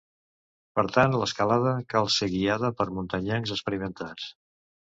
Per tant, l'escalada cal ser guiada per muntanyencs experimentats.